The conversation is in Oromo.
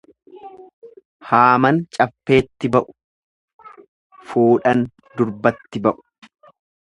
Haaman caffeetti ba'u fuudhan durbatti ba'u.